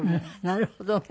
なるほどね。